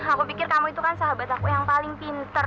aku pikir kamu itu kan sahabat aku yang paling pinter